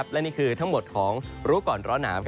และนี่คือทั้งหมดของรู้ก่อนร้อนหนาว